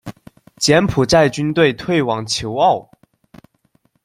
柬埔寨军队退往虬澳。